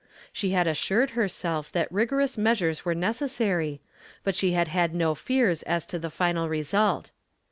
She had assured hei self that rigorous meas ures were necessary, but she had had no fears as to the final result.